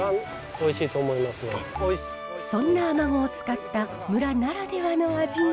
そんなアマゴを使った村ならではの味が。